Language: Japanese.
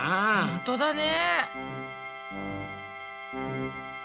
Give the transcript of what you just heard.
ほんとだね。